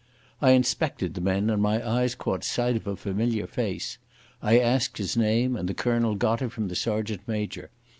I inspected the men and my eyes caught sight of a familiar face. I asked his name and the colonel got it from the sergeant major.